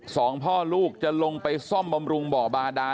สองพ่อลูกจะลงไปซ่อมบำรุงบ่อบาดา